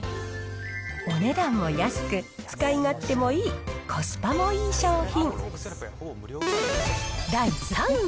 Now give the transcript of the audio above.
お値段も安く、使い勝手もいい、コスパもいい商品。